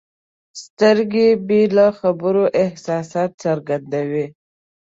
سترګې بې له خبرو احساسات څرګندوي.